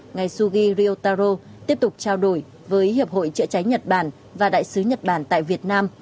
ngài sugiri otaro tiếp tục trao đổi với hiệp hội chữa cháy nhật bản và đại sứ nhật bản tại việt nam